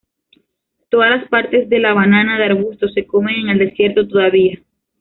Todas las partes de la banana de arbusto se comen en el desierto todavía.